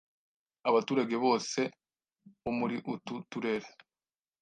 Abaturage bose bo muri utu turere,